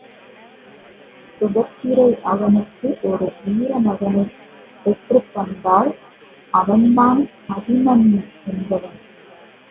சுபத்திரை அவனுக்கு ஒர் வீர மகனைப் பெற்றுத் தந்தாள் அவன்தான் அபிமன்யு என்பவன்.